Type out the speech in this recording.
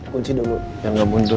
kunci dulu yang gak mundur